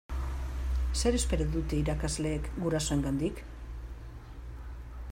Zer espero dute irakasleek gurasoengandik?